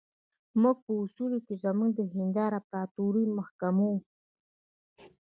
موږ په اصولو کې زموږ د هند امپراطوري محکوموو.